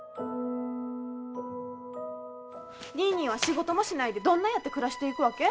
ニーニーは仕事もしないでどんなやって暮らしていくわけ？